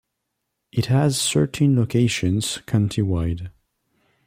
It has thirteen locations county wide.